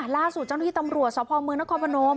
ล่าสู่เจ้าหนุ่มที่ตำรวจสภมนครพนม